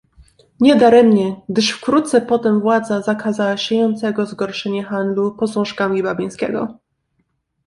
"Nie daremnie, gdyż wkrótce potem władza zakazała siejącego zgorszenie handlu posążkami Babińskiego."